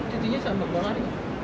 cutinya selama berapa hari